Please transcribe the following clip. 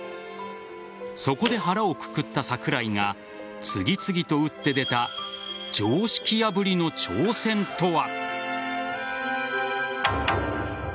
そこで腹をくくった桜井が次々と打って出た常識破りの挑戦とは。